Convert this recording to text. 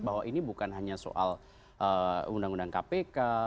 bahwa ini bukan hanya soal undang undang kpk